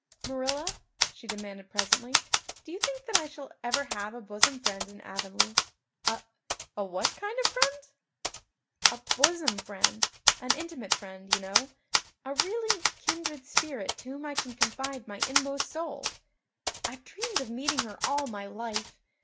"Marilla," she demanded presently, "do you think that I shall ever have a bosom friend in Avonlea?" "A a what kind of friend?" "A bosom friend an intimate friend, you know a really kindred spirit to whom I can confide my inmost soul. I've dreamed of meeting her all my life.